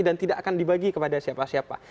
dan tidak akan dibagi kepada siapa siapa